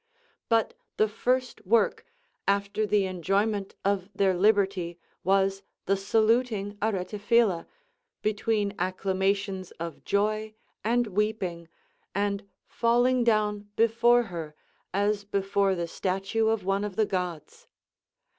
But the first work after the enjoyment of their liberty was the saluting Aretaphila, between acclamations of joy and weeping, and falling down before her, as before the statue of one of the Gods.